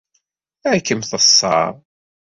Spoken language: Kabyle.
Ad kem-teṣṣer.